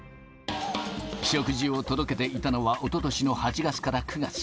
食事を届けていたのはおととしの８月から９月。